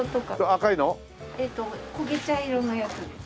えっと焦げ茶色のやつです。